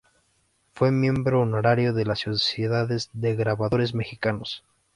Fue miembro honorario de la Sociedad de Grabadores Mexicanos.